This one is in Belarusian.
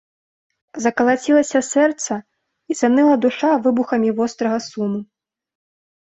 Закалацілася сэрца і заныла душа выбухамі вострага суму.